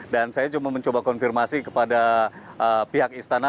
dan saya cuma mencoba konfirmasi kepada pihak istana